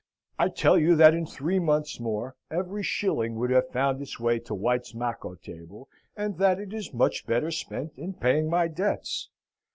I tell you that in three months more every shilling would have found its way to White's macco table, and that it is much better spent in paying my debts.